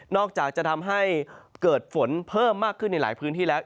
อกจากจะทำให้เกิดฝนเพิ่มมากขึ้นในหลายพื้นที่แล้ว